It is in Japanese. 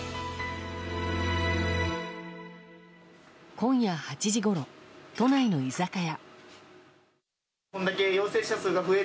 今夜８時ごろ、都内の居酒屋。